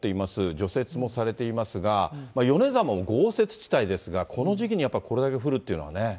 除雪もされていますが、米沢も豪雪地帯ですが、この時期にやっぱりこれだけ降るというのはね。